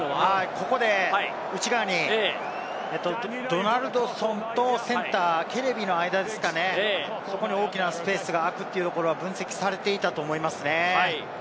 ここで内側にドナルドソンと、センターのケレビの間ですかね、そこに大きなステップがあくというところが分析されていたと思いますね。